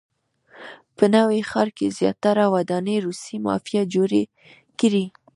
په نوي ښار کې زیاتره ودانۍ روسیې مافیا جوړې کړي.